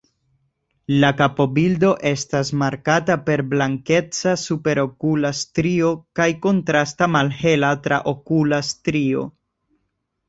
La kapobildo estas markata per blankeca superokula strio kaj kontrasta malhela traokula strio.